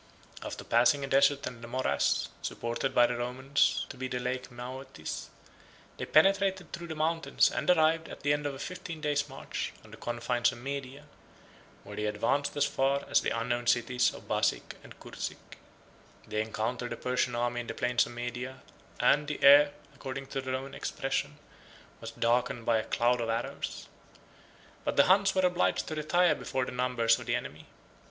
After passing a desert and a morass, supposed by the Romans to be the Lake Maeotis, they penetrated through the mountains, and arrived, at the end of fifteen days' march, on the confines of Media; where they advanced as far as the unknown cities of Basic and Cursic. 1611 They encountered the Persian army in the plains of Media and the air, according to their own expression, was darkened by a cloud of arrows. But the Huns were obliged to retire before the numbers of the enemy.